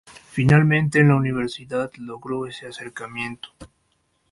Finalmente en la universidad logró ese acercamiento.